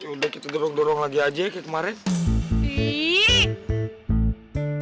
udah kita dorong dorong lagi aja kayak kemarin